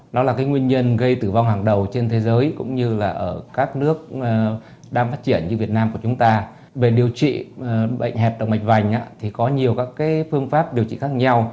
điều trị bệnh hẹp động mạch vành có nhiều phương pháp điều trị khác nhau